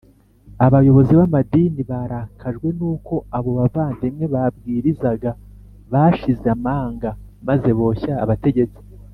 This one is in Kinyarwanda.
Abayobozi b amadini barakajwe n uko abo bavandimwe babwirizaga bashize amanga maze boshya abategetsi